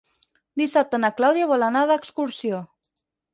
Dissabte na Clàudia vol anar d'excursió.